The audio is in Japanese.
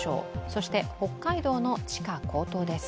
そして北海道の地価高騰です。